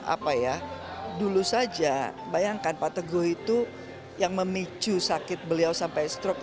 apa ya dulu saja bayangkan pak teguh itu yang memicu sakit beliau sampai stroke